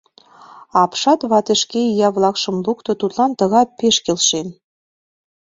Апшат вате шке ия-влакшым лукто, тудлан тыгай пеш келшен.